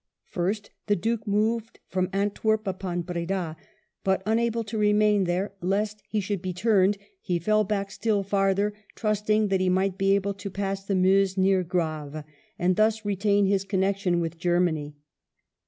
First the Duke moved from Antwerp upon Breda, but unable to remain thiere, lest he should be turned, he fell back still farther, trusting that he might be able to pass the Meuse near Grave, and thus retain his connec tion with Germany.